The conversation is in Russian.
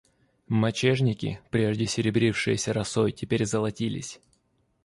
Мочежинки, прежде серебрившиеся росой, теперь золотились.